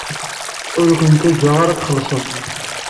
Ur ken-ttaǧǧaɣ ara ad txellṣem.